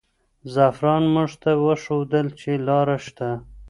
زعفران موږ ته وښودل چې لاره شته.